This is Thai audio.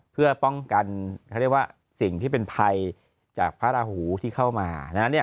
เพื่อป้องกันเขาเรียกว่าสิ่งที่เป็นภัยจากพระราหูที่เข้ามา